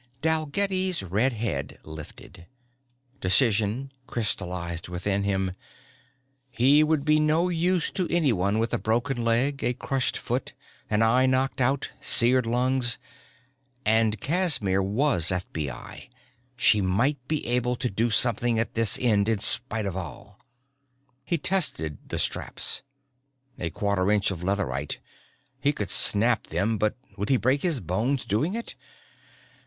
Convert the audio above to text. _" Dalgetty's red head lifted. Decision crystalized within him. He would be no use to anyone with a broken leg, a crushed foot, an eye knocked out, seared lungs and Casimir was FBI, she might be able to do something at this end in spite of all. He tested the straps. A quarter inch of leatherite he could snap them but would he break his bones doing it?